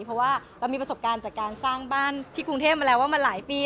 เพราะว่าเรามีประสบการณ์จากการสร้างบ้านที่กรุงเทพมาแล้วว่ามาหลายปี